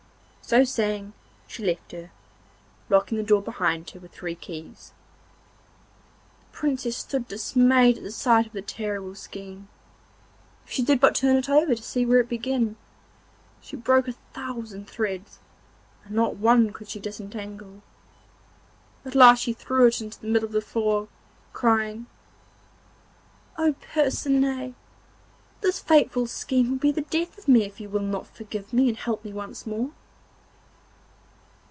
So saying she left her, locking the door behind her with three keys. The Princess stood dismayed at the sight of the terrible skein. If she did but turn it over to see where to begin, she broke a thousand threads, and not one could she disentangle. At last she threw it into the middle of the floor, crying: 'Oh, Percinet! this fatal skein will be the death of me if you will not forgive me and help me once more.